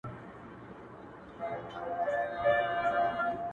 هومره د فكر مــــــفـــكــــوره ورانـــــــــــه ده;